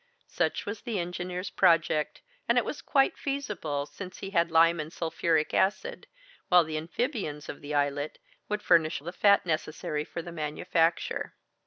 Such was the engineer's project; and it was quite feasible, since he had lime and sulphuric acid, while the amphibians of the islet would furnish the fat necessary for the manufacture.